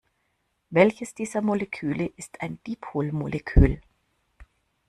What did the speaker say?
Welches dieser Moleküle ist ein Dipolmolekül?